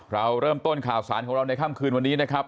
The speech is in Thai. เราเริ่มต้นข่าวสารของเราในค่ำคืนวันนี้นะครับ